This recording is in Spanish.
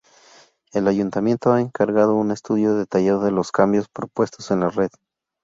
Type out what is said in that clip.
El Ayuntamiento ha encargado un estudio detallado de los cambios propuestos en la red.